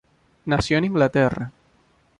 Nació en Inglaterra.